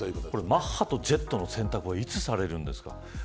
マッハとジェットの選択はいつされるんですか。